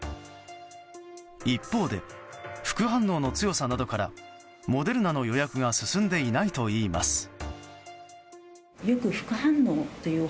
一方で、副反応の強さなどからモデルナの予約が進んでいないといいます。